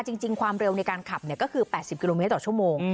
จริงความเร็วในการขับก็คือ๘๐กิโลเมตรต่อชั่วโมง